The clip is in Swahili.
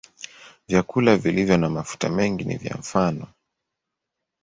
Vyakula vilivyo na mafuta mengi ni kwa mfano.